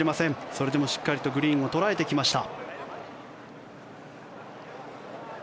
それでもしっかりとグリーンを捉えてきました。